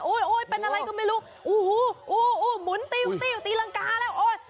โอ้ยโอ้ยเป็นอะไรก็ไม่รู้โอ้โหโอ้โหหมุนตีตีตีรังกาแล้วโอ้ย